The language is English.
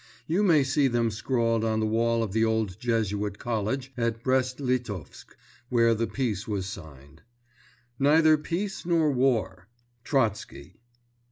You may see them scrawled on the wall of the old Jesuit College at Brest Litovsk where the Peace was signed: "Neither Peace Nor War. Trotsky."